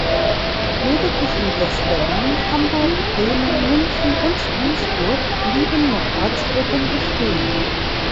Lediglich in West-Berlin, Hamburg, Bremen, München und Duisburg blieben noch Ortsgruppen bestehen.